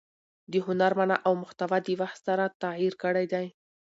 د هنر مانا او محتوا د وخت سره تغیر کړی دئ.